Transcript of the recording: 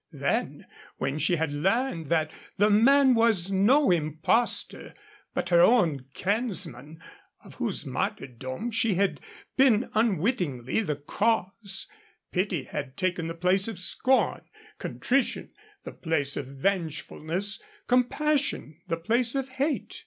Then, when she had learned that the man was no impostor, but her own kinsman, of whose martyrdom she had been unwittingly the cause, pity had taken the place of scorn, contrition the place of vengefulness, compassion the place of hate.